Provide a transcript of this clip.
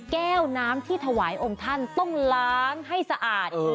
แก้วน้ำที่ถวายองค์ท่านต้องล้างให้สะอาด